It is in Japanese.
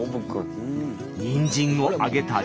にんじんをあげたり。